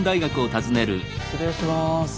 失礼します。